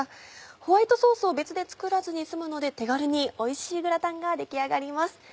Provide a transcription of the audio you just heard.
ホワイトソースを別で作らずに済むので手軽においしいグラタンが出来上がります。